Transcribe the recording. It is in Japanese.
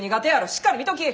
しっかり見とき！